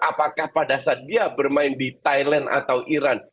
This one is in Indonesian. apakah pada saat dia bermain di thailand atau iran